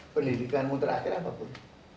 pendidikanmu terakhir apa pak